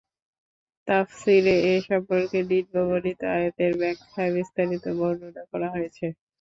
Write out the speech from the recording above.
তাফসীরে এ সম্পর্কে নিম্ন বর্ণিত আয়াতের ব্যাখায় বিস্তারিত বর্ণনা করা হয়েছে।